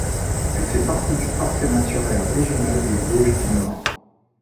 Elle fait partie du parc naturel régional des Vosges du Nord.